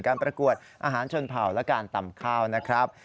ประกวดอาหารชนเผ่าและการตำข้าวนะครับ